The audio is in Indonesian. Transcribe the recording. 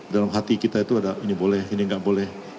dalam hati kita itu ada ini boleh ini nggak boleh